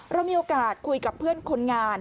เรามีโอกาสคุยกับเพื่อนคนงาน